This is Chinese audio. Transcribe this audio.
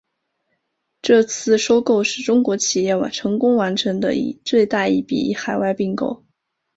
这次收购是中国企业成功完成的最大一笔海外并购。